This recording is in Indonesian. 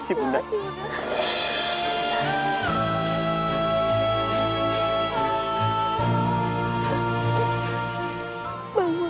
terima kasih bunda